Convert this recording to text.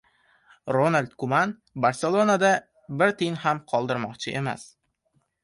Ronald Kuman "Barselona"da bir tiyin ham qoldirmoqchi emas